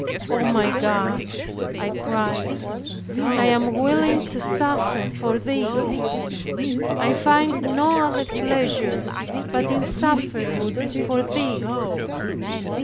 "O my Love," I cried, "I am willing to suffer for Thee. I find no other pleasure but in suffering for Thee.